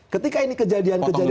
ketika ini kejadian kejadian